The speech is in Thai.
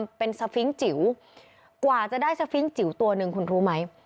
มันเป็นสฟิงค์จิ๋วกว่าจะได้สฟิงค์จิ๋วตัวหนึ่งคุณรู้ไหม